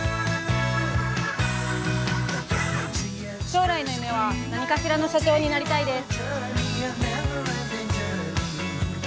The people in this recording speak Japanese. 将来の夢は、何かしらの社長になりたいです。